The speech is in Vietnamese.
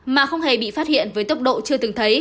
mà không hề bị phát hiện với tốc độ chưa từng thấy